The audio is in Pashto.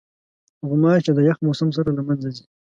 غوماشې د یخ موسم سره له منځه ځي.